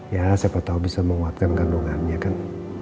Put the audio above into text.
ya siapa tahu bisa menguatkan kandungannya kan